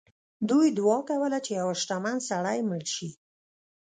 دوی دعا کوله چې یو شتمن سړی مړ شي.